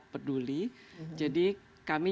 peduli jadi kami